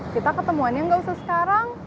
kita ketemuannya nggak usah sekarang